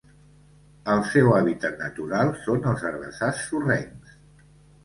El seu hàbitat natural són els herbassars sorrencs.